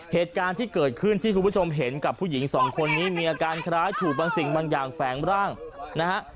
เหตุการณ์ที่เกิดขึ้นที่คุณผู้ชมเห็นกับผู้หญิงสองคนนี้มีอาการคล้ายถูกบางสิ่งบางอย่างแฝงร่างนะฮะ